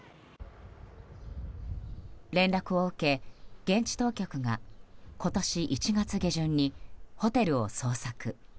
連絡を受け、現地当局が今年１月下旬にホテルを捜索。